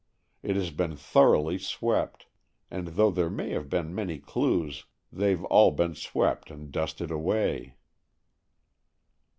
It has been thoroughly swept, and though there may have been many clues, they've all been swept and dusted away."